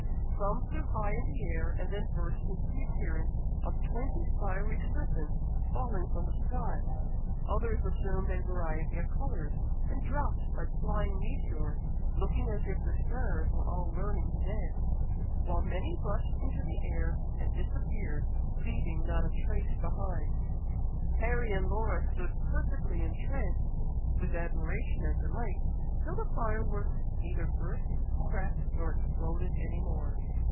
Some flew high in the air, and then burst into the appearance of twenty fiery serpents falling from the sky, others assumed a variety of colours, and dropped like flying meteors, looking as if the stars were all learning to dance, while many rushed into the air and disappeared, leaving not a trace behind. Harry and Laura stood perfectly entranced with admiration and delight, till the fire works neither burst, cracked, nor exploded any more.